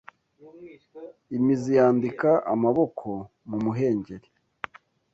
imizi yandika amaboko mumuhengeri